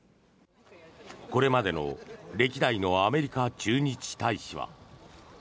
これまでの歴代のアメリカ駐日大使は。